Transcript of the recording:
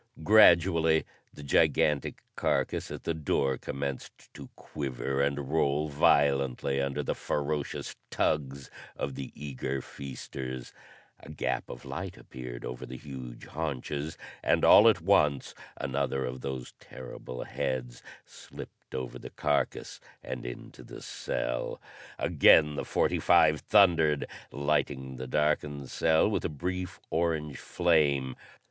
Gradually, the gigantic carcass at the door commenced to quiver and roll violently under the ferocious tugs of the eager feasters. A gap of light appeared over the huge haunches, and, all at once, another of those terrible heads slipped over the carcass and into the cell. Again the .45 thundered, lighting the darkened cell with a brief orange flame.